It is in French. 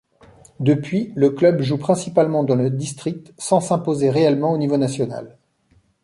Depuis le club joue principalement dans le district sans s'imposer réellement au niveau national.